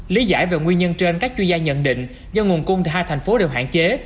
lý giải về nguyên nhân trên các chuyên gia nhận định do nguồn cung thì hai thành phố đều hạn chế